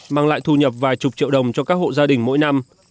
mang lại thu nhập vài chục triệu đồng cho các hộ gia đình mỗi năm